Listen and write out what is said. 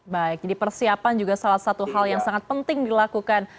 baik jadi persiapan juga salah satu hal yang sangat penting dilakukan